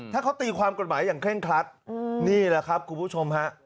ถ้าเขาตีความกฎหมายอย่างเคร่งครัดนี่แหละครับคุณผู้ชมฮะ